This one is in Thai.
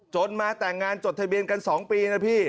มาแต่งงานจดทะเบียนกัน๒ปีนะพี่